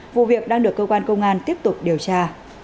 vụ việc đang được cơ quan công an tiếp tục điều tra